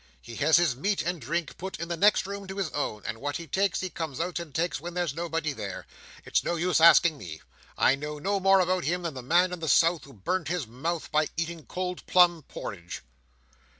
He has his meat and drink put in the next room to his own; and what he takes, he comes out and takes when there's nobody there. It's no use asking me. I know no more about him than the man in the south who burnt his mouth by eating cold plum porridge."